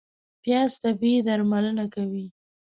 پیاز طبیعي درملنه کوي